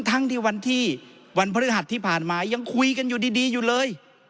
ทั้งที่วันที่วันพฤหัสที่ผ่านมายังคุยกันอยู่ดีอยู่เลย